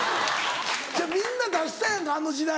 みんな出したやんかあの時代。